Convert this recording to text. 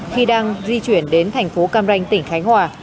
khi đang di chuyển đến thành phố cam ranh tỉnh khánh hòa